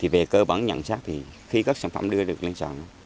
về cơ bản nhận xác thì khi các sản phẩm đưa được lên sàn